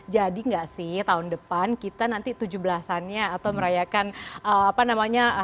jadi nggak sih tahun depan kita nanti tujuh belasannya atau merayakan apa namanya